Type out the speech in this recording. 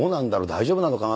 大丈夫なのかな？